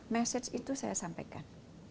mesej itu saya sampaikan